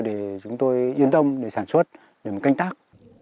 để chúng tôi yên tâm để sản xuất để mà canh tác